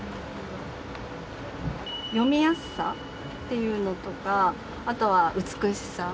読みやすさっていうのとかあとは美しさ。